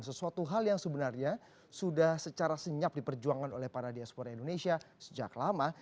sesuatu hal yang sebenarnya sudah secara senyap diperjuangkan oleh para diaspora indonesia sejak lama